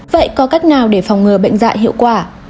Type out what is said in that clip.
vậy có cách nào để phòng ngừa bệnh dạy hiệu quả